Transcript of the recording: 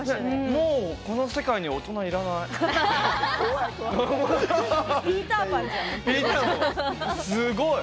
もう、この世界に大人いらない！